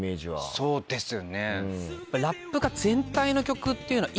そうですよね。